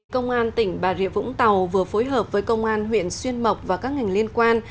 công an tỉnh bà rịa vũng tàu vừa phối hợp với công an huyện xuyên mộc và các ngành liên quan